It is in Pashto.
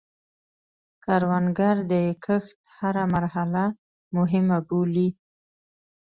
کروندګر د کښت هره مرحله مهمه بولي